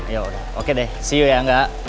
yaudah oke deh see you ya nggak